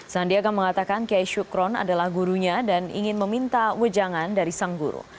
sandiaga mengatakan kiai syukron adalah gurunya dan ingin meminta wejangan dari sang guru